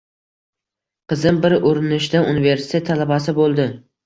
Qizim bir urinishda universitet talabasi bo`ldi